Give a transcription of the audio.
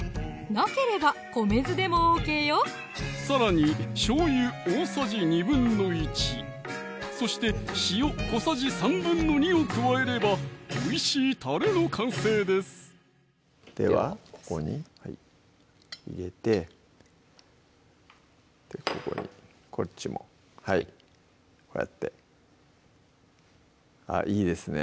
なければ米酢でもＯＫよさらにしょうゆ大さじ１／２そして塩小さじ２／３を加えればおいしいたれの完成ですではここに入れてここにこっちもこうやっていいですね